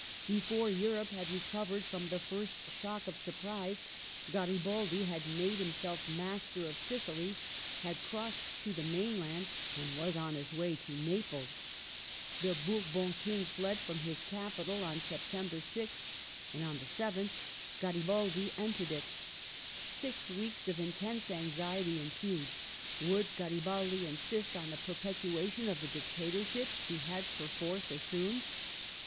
Before Europe had recovered from the first shock of surprise, Garibaldi had made himself master of Sicily, had crossed to the mainland and was on his way to Naples. The Bourbon King fled from his capital on September 6th, and on the 7th Garibaldi entered it. Six weeks of intense anxiety ensued. Would Garibaldi insist on the perpetuation of the Dictatorship he had perforce assumed